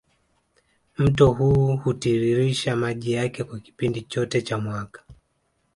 Mto huu hutiririsha maji yake kwa kipindi chote cha mwaka